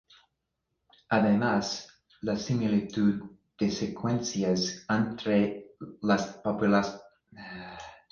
Además, la similitud de secuencias entre las poblaciones silvestres existentes sugerían una fragmentación reciente.